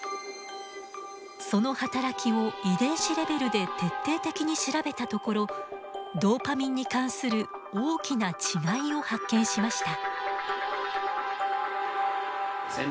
その働きを遺伝子レベルで徹底的に調べたところドーパミンに関する大きな違いを発見しました。